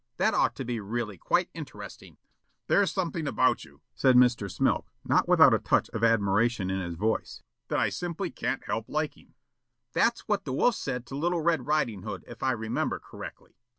That ought to be really quite interesting." "There's something about you," said Mr. Smilk, not without a touch of admiration in his voice, "that I simply can't help liking." "That's what the wolf said to Little Red Riding Hood, if I remember correctly.